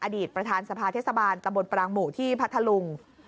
อดีตประธานสภาเทศบาลตำบลปรางหมู่ที่พัทธลุง